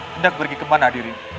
kau pergi kemana dirimu